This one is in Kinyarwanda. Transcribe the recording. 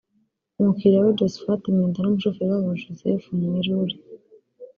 umukiriya we Josphat Mwenda n’umushoferi wabo Joseph Muiruri